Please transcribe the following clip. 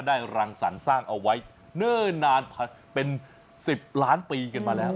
รังสรรค์สร้างเอาไว้เนิ่นนานเป็น๑๐ล้านปีกันมาแล้ว